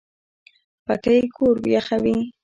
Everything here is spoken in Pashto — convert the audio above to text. پکۍ کور یخوي